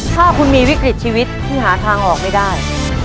ถ้าคุณมีวิกฤตชีวิตที่หาทางออกไม่ได้